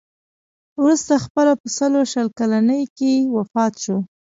وروسته خپله په سلو شل کلنۍ کې وفات شو.